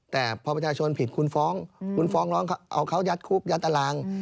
แต่พอประชาชนผิดคุณฟ้องคุณฟ้องร้องเอาเขายัดคุกยัดตาราง